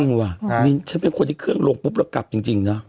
เออจริงว่ะฉันเป็นคนที่เครื่องลงปุ๊บแล้วกลับจริงเนาะ